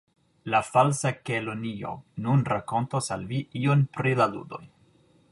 "La Falsa Kelonio nun rakontos al vi ion pri la ludoj."